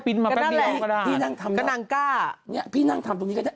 ปิ้นมาแป๊บเดียวก็ได้ก็นั่งกล้าเนี่ยพี่นั่งทำตรงนี้ก็ได้